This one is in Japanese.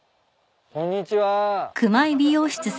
こんにちは。